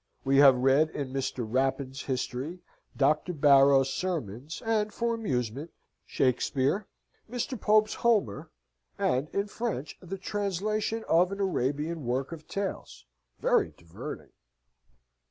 We have read in Mr. Rapin's History, Dr. Barrow's Sermons, and, for amusement, Shakspeare, Mr. Pope's Homer, and (in French) the translation of an Arabian Work of Tales, very diverting.